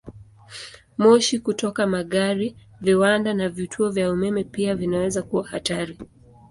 Moshi kutoka magari, viwanda, na vituo vya umeme pia vinaweza kuwa hatari.